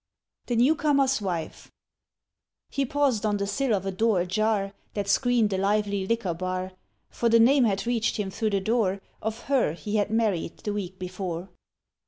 THE NEWCOMER'S WIFE HE paused on the sill of a door ajar That screened a lively liquor bar, For the name had reached him through the door Of her he had married the week before.